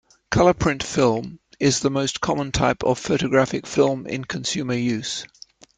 Color print film is the most common type of photographic film in consumer use.